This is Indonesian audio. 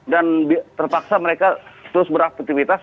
dan terpaksa mereka terus beraktivitas